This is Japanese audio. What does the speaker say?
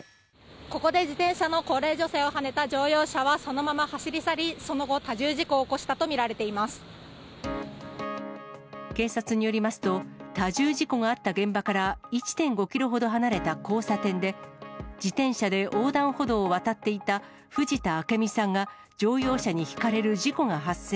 ここで自転車の高齢女性をはねた乗用車はそのまま走り去り、その後、多重事故を起こしたと見警察によりますと、多重事故があった現場から１．５キロほど離れた交差点で、自転車で横断歩道を渡っていた藤田明美さんが、乗用車にひかれる事故が発生。